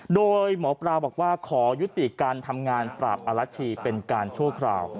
โดยหมอปลาบอกว่าขอยุติการทำงานปราบอรัชชีเป็นการชั่วคราว